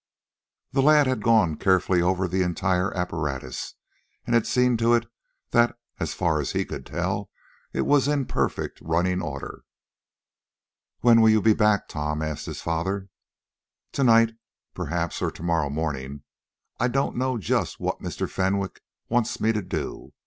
The lad had gone carefully over the entire apparatus, and had seen to it that, as far as he could tell, it was in perfect running order. "When will you be back, Tom?" asked his father. "To night, perhaps, or to morrow morning. I don't know just what Mr. Fenwick wants me to do.